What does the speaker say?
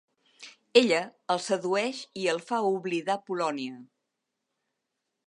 Ella el sedueix i el fa oblidar Polònia.